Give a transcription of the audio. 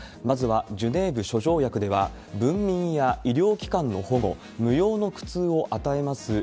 まずはジュネーブ諸条約では、文民や医療機関の保護、無用の苦痛を与えます